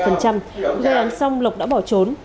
ngày ăn xong lộc đã bỏ trốn